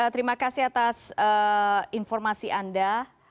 terima kasih atas informasi anda